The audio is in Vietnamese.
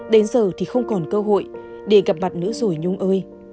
đến giờ thì không còn cơ hội để gặp mặt nữa rồi nhung ơi